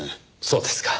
そうですか。